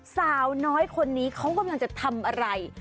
สาวน้อยคนนี้เขากำลังจะทำอะไร